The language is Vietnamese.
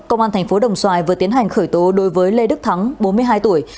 công an tp đồng xoài vừa tiến hành khởi tố đối với lê đức thắng bốn mươi hai tuổi